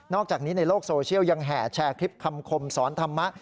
อกจากนี้ในโลกโซเชียลยังแห่แชร์คลิปคำคมสอนธรรมะ